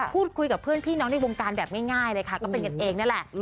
พูดคุยกับเพื่อนพี่น้องในวงการแบบง่ายเลยค่ะก็เป็นกันเองนั่นแหละ